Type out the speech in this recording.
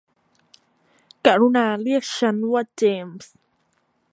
กรุณาเรียกฉันว่าเจมส์